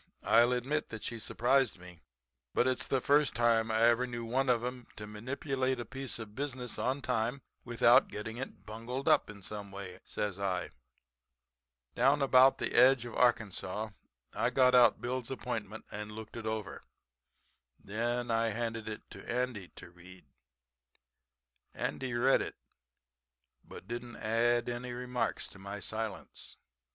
'I'll admit that she surprised me. But it's the first time I ever knew one of 'em to manipulate a piece of business on time without getting it bungled up in some way,' says I. "Down about the edge of Arkansas I got out Bill's appointment and looked it over, and then I handed it to Andy to read. Andy read it, but didn't add any remarks to my silence.